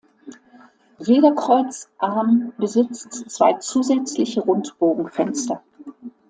Jeder Kreuzarm besitzt zwei zusätzliche Rundbogenfenster.